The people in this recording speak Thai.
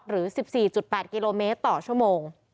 หรือ๑๔๘กิโลเมตรต่อชั่วโมง